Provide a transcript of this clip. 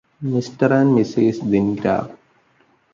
mister and missus Dhingra